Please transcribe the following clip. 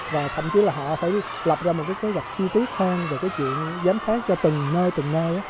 và thậm chí là họ phải lập ra một cái kế hoạch chi tiết hơn về cái chuyện giám sát cho từng nơi từng nơi